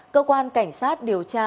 cơ quan cảnh sát điều trị